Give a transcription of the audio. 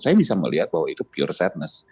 saya bisa melihat bahwa itu pure satness